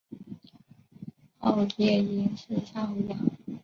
欧夜鹰是夏候鸟。